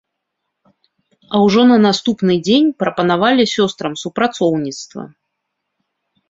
А ўжо на наступны дзень прапанавалі сёстрам супрацоўніцтва.